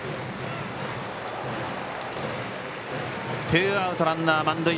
ツーアウト、ランナー満塁。